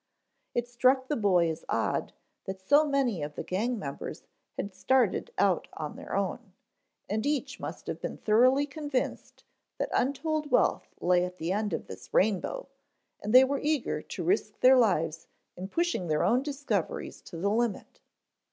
It struck the boy as odd that so many of the gang members had started out on their own, and each must have been thoroughly convinced that untold wealth lay at the end of this "rainbow" and they were eager to risk their lives in pushing their own discoveries to the limit.